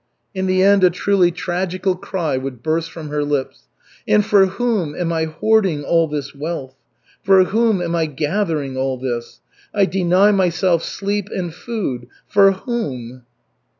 In the end a truly tragical cry would burst from her lips. "And for whom am I hoarding all this wealth? For whom am I gathering all this? I deny myself sleep and food for whom?"